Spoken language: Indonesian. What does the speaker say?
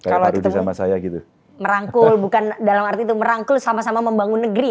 kalau merangkul bukan dalam arti itu merangkul sama sama membangun negeri